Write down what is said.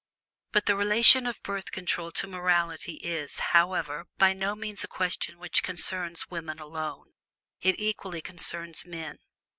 But the relation of Birth Control to morality is, however, by no means a question which concerns women alone. It equally concerns men.